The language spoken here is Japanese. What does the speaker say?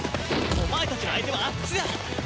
お前たちの相手はあっちだ！